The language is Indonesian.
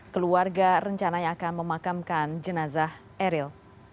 keluarga rencananya akan memakamkan jenazah eril